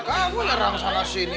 kamu jarang salah sini adek